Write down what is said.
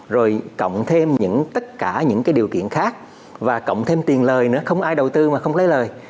rồi cộng thêm tất cả những cái điều kiện khác và cộng thêm tiền lời nữa không ai đầu tư mà không lấy lời